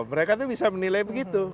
mereka itu bisa menilai begitu